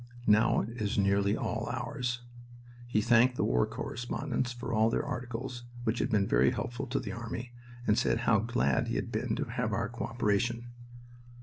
Now it is nearly all ours." He thanked the war correspondents for all their articles, which had been very helpful to the army, and said how glad he had been to have our co operation.